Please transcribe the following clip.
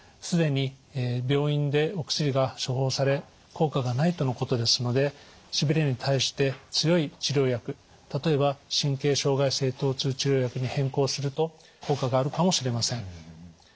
既に病院でお薬が処方され効果がないとのことですのでしびれに対して強い治療薬例えば神経障害性とう痛治療薬に変更すると効果があるかもしれません。